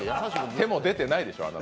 手も出てないでしょう。